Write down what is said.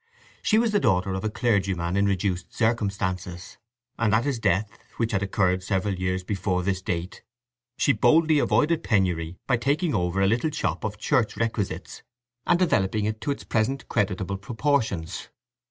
She was the daughter of a clergyman in reduced circumstances, and at his death, which had occurred several years before this date, she boldly avoided penury by taking over a little shop of church requisites and developing it to its present creditable proportions.